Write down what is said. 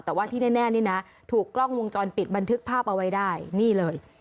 แต่ว่าที่แน่นี่นะถูกกล้องวงจรปิดบันทึกภาพเอาไว้ได้นี่เลย